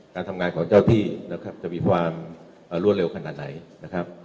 การทำงานของเจ้าที่นะครับจะมีความรวดเร็วขนาดไหนนะครับ